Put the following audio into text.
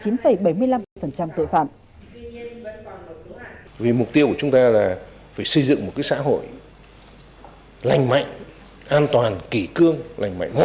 năm hai nghìn hai mươi hai giảm chín bảy mươi năm tội phạm